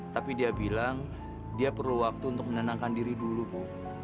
tapi dia bilang dia perlu waktu untuk menenangkan diri dulu bu